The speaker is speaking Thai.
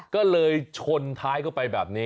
ก็เลยชนท้ายเข้าไปแบบนี้